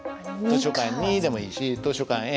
「図書館に」でもいいし「図書館へ」